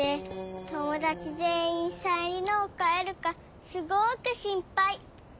ともだちぜんいんサイン入りのをかえるかすごくしんぱい。